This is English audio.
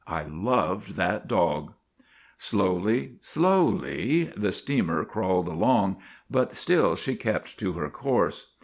I loved that dog! " Slowly, slowly, the steamer crawled along, but still she kept to her course.